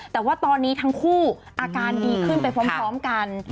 แต่ว่าตอนนี้ทั้งคู่อาการดีขึ้นไปพร้อมกัน